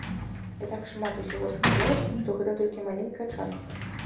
Я так шмат усяго сказаў, што гэта толькі маленькая частка.